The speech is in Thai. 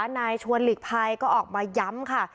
นายชวนหลีกภัยก็ออกมาย้ำค่ะ